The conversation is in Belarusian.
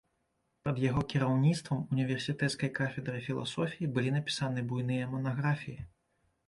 Пад яго кіраўніцтвам універсітэцкай кафедрай філасофіі былі напісаны буйныя манаграфіі.